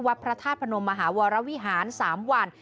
วัดพระทาสธ์พระนมมหาวรวิหาร๓วัน